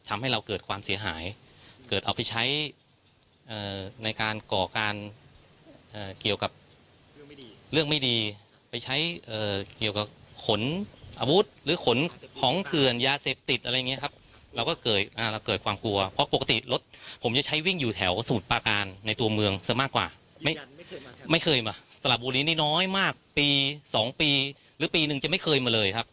ไม่ไม่เคยมั้ยสตลาดบูรณีนี้น้อยมากปี๒ปีหรือปีนึงจะไม่เคยมาเลยครับ